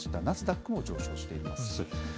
ナスダックも上昇しています。